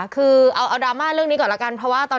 คือเอาดราม่าเรื่องนี้ก่อนแล้วกัน